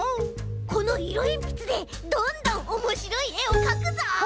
このいろえんぴつでどんどんおもしろいえをかくぞ！